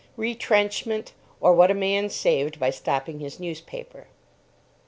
RETRENCHMENT; OR, WHAT A MAN SAVED BY STOPPING HIS NEWSPAPER.